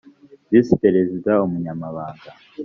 visi perezida umunyamabanga